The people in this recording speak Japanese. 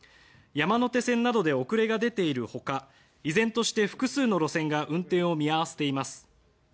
山手線などで遅れが出ている他依然として複数の路線が運転を見合わせています。